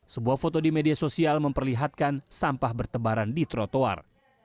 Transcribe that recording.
sebuah foto di media sosial memperlihatkan sampah bertebaran di trotoar